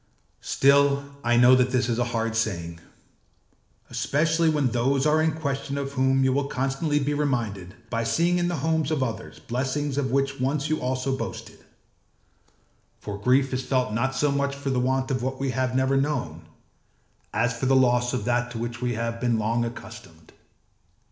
Still I know that this is a hard saying, especially when those are in question of whom you will constantly be reminded by seeing in the homes of others blessings of which once you also boasted: for grief is felt not so much for the want of what we have never known, as for the loss of that to which we have been long accustomed.